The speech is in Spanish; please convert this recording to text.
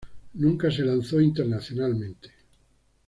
Nunca se lanzó internacionalmente.